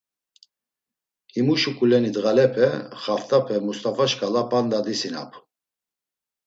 Himu şuǩuleni ndğalepe, xaft̆ape Must̆afa şǩala p̌anda disinapu.